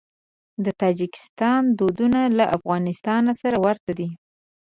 د تاجکستان دودونه له افغانستان سره ورته دي.